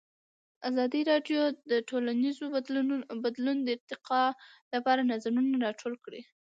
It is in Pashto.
ازادي راډیو د ټولنیز بدلون د ارتقا لپاره نظرونه راټول کړي.